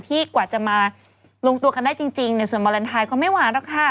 กว่าจะมาลงตัวกันได้จริงในส่วนวาเลนไทยก็ไม่หวานหรอกค่ะ